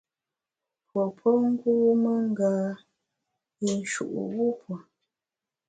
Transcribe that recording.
Pue pe ngûme ngâ-yinshu’ wupue.